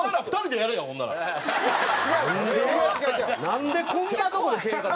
なんでこんなとこでけんか。